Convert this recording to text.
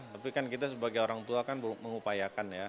tapi kan kita sebagai orangtua kan mengupayakan ya